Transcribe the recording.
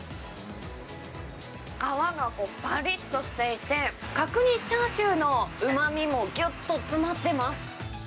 皮がぱりっとしていて、角煮チャーシューのうまみもぎゅっと詰まってます。